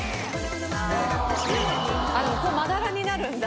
まだらになるんだ。